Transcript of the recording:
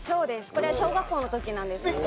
これは小学校の時なんですけど。